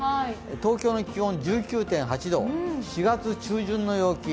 東京の気温１９．８度、４月中旬の陽気。